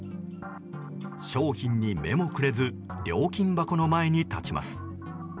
商品に目もくれず料金箱の前に立ちます。